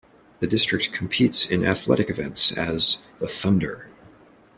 The district competes in athletic events as the Thunder.